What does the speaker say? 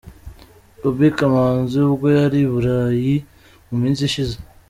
Gaby Kamanzi ubwo yari i Burayi mu minsi ishize.